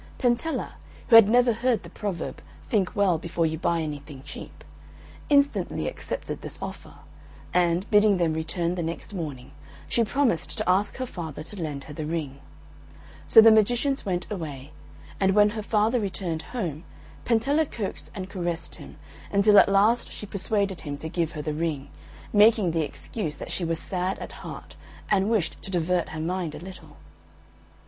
Pentella, who had never heard the proverb, "Think well before you buy anything cheap," instantly accepted this offer, and, bidding them return the next morning, she promised to ask her father to lend her the ring. So the magicians went away, and when her father returned home Pentella coaxed and caressed him, until at last she persuaded him to give her the ring, making the excuse that she was sad at heart, and wished to divert her mind a little.